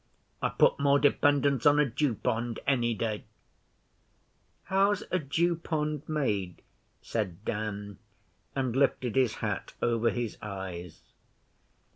I put more dependence on a dew pond any day.' 'How's a dew pond made?' said Dan, and tilted his hat over his eyes.